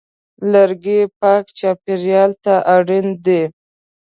لرګی پاک چاپېریال ته اړین دی.